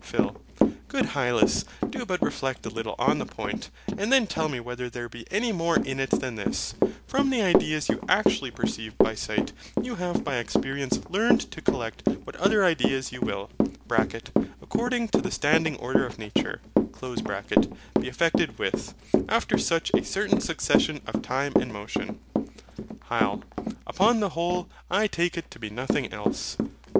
PHIL. Good Hylas, do but reflect a little on the point, and then tell me whether there be any more in it than this: from the ideas you actually perceive by sight, you have by experience learned to collect what other ideas you will (according to the standing order of nature) be affected with, after such a certain succession of time and motion. HYL. Upon the whole, I take it to be nothing else.